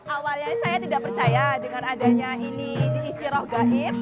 awalnya saya tidak percaya dengan adanya ini isi roh gaib